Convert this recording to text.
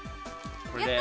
やった！